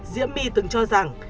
diễm my từng cho rằng